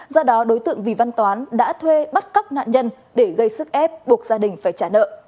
do đó đối tượng vì văn toán đã thuê bắt cóc nạn nhân để gây sức ép buộc gia đình phải trả nợ